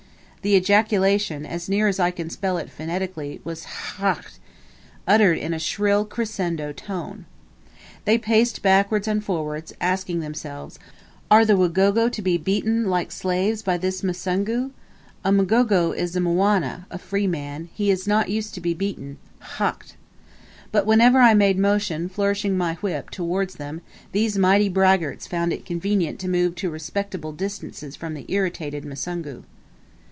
The ejaculation, as near as I can spell it phonetically, was "hahcht" uttered in a shrill crescendo tone. They paced backwards and forwards, asking themselves, "Are the Wagoga to be beaten like slaves by this Musungu? A Mgogo is a Mgwana (a free man); he is not used to be beaten, hahcht." But whenever I made motion, flourishing my whip, towards them, these mighty braggarts found it convenient to move to respectable distances from the irritated Musungu.